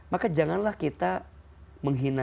maka janganlah kita menghina